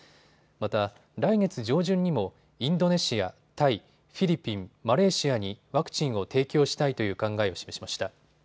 また来月上旬にもインドネシア、タイ、フィリピン、マレーシアにワクチンを提供したいという考えを示しました。